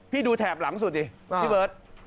ดูแถบหลังสุดดิพี่เบิร์ต